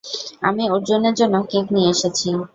আমি অর্জুনের জন্য কেক নিয়ে এসেছি।